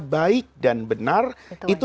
baik dan benar itu